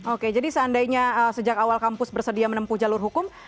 oke jadi seandainya sejak awal kampus bersedia menempuh jalur hukum